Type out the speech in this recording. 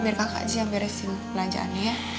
biar kakak aja yang beresin belanjaannya ya